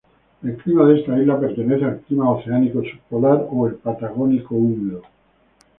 El clima de esta isla pertenece al clima oceánico subpolar, o al "patagónico húmedo".